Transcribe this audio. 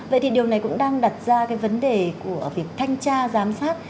vậy thì điều này cũng đang đặt ra cái vấn đề của việc thanh tra giám sát